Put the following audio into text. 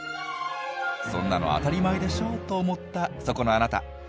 「そんなの当たり前でしょ」と思ったそこのあなた。